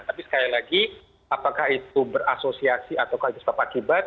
tapi sekali lagi apakah itu berasosiasi atau keakibat